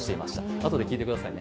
あとで聞いてくださいね。